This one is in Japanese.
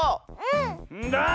んだ！